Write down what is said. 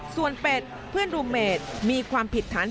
ส่วนเป็ดเพื่อนรูเมดมีความผิดฐาน